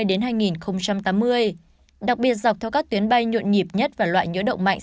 vào giai đoạn hai nghìn năm mươi đến hai nghìn tám mươi đặc biệt dọc theo các tuyến bay nhuộn nhịp nhất và loại nhỡ động mạnh